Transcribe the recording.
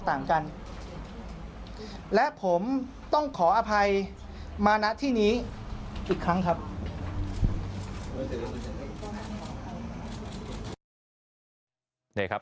ต่างกันและผมต้องขออภัยมาณที่นี้อีกครั้งครับ